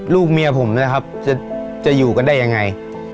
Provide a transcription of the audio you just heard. ลูกเมียผมนะครับจะอยู่กันได้ยังไง